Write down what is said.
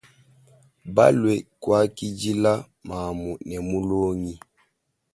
Balwe kwakidile mamu ne mulongi.